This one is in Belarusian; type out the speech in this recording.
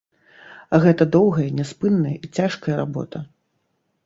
А гэта доўгая, няспынная і цяжкая работа.